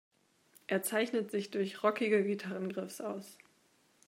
Er zeichnet sich durch rockige Gitarrenriffs aus.